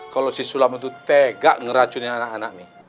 kalau si sulam itu tegak ngeracunin anak anak mi